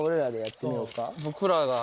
僕らが。